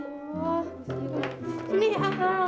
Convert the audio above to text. nih nih nih nih pampersnya